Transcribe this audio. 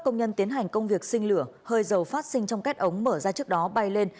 công nhân tiến hành công việc sinh lửa hơi dầu phát sinh trong kết ống mở ra trước đó bay lên